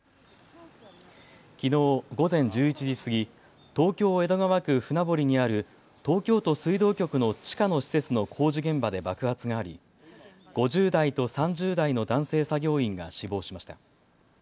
きのう午前１１時過ぎ、東京江戸川区船堀にある東京都水道局の地下の施設の工事現場で爆発があり５０代と３０代の男性作業員が死亡しました。